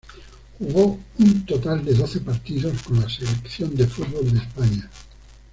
Jugó un total de doce partidos con la selección de fútbol de España.